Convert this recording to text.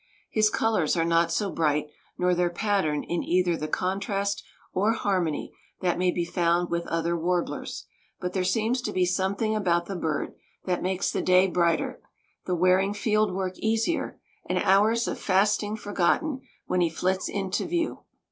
His colors are not so bright, nor their pattern in either the contrast or harmony that may be found with other warblers, but there seems to be something about the bird that makes the day brighter, the wearing field work easier, and hours of fasting forgotten when he flits into view.